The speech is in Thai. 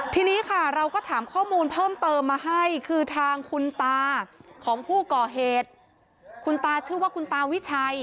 ทีนี้ค่ะเราก็ถามข้อมูลเพิ่มเติมมาให้คือทางคุณตาของผู้ก่อเหตุคุณตาชื่อว่าคุณตาวิชัย